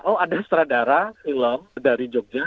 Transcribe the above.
oh ada setara darah film dari jogja